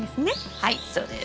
はいそうです。